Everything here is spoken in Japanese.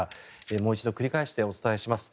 もう一度繰り返してお伝えします。